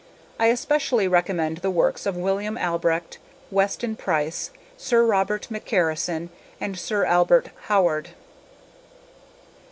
I especially recommend the works of William Albrecht, Weston Price, Sir Robert McCarrison, and Sir Albert Howard.